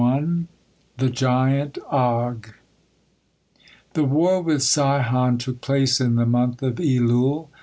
THE GIANT OG The war with Sihon took place in the month of Elul.